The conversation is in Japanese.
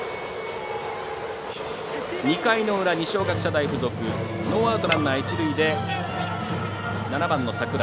２回の裏、二松学舎大付属ノーアウト、ランナー、一塁で７番の櫻井。